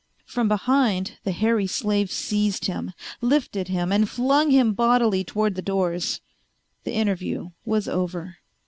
From behind the hairy slave seized him, lifted him and flung him bodily toward the doors. The interview was over.